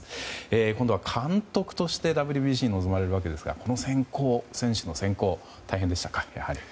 今度は監督としてＷＢＣに臨まれるわけですが選手の選考、大変でしたか？